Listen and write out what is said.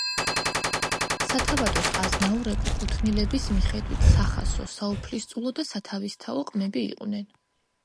სათავადოს აზნაურები კუთვნილების მიხედვით სახასო, საუფლისწულო ან სათავისთაო ყმები იყვნენ.